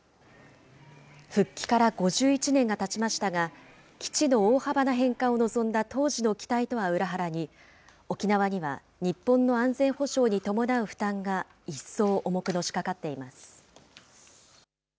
復帰から５１年がたちましたが、基地の大幅な返還を望んだ当時の期待とは裏腹に、沖縄には日本の安全保障に伴う負担が一層重くのしかかっています。